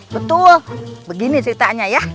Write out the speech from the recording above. betul begini ceritanya ya